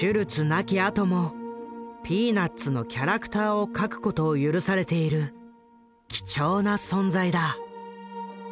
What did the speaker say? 亡きあとも「ピーナッツ」のキャラクターを描くことを許されている貴重な存在だ。